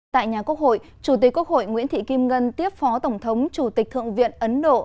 tại nhà quốc hội chủ tịch quốc hội nguyễn thị kim ngân tiếp phó tổng thống chủ tịch thượng viện ấn độ